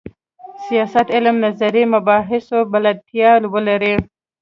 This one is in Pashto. سیاست علم نظري مباحثو بلدتیا ولري.